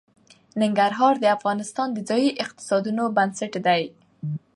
ننګرهار د افغانستان د ځایي اقتصادونو بنسټ دی.